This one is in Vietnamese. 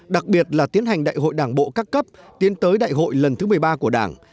đặc biệt là tiến hành đại hội đảng bộ các cấp tiến tới đại hội lần thứ một mươi ba của đảng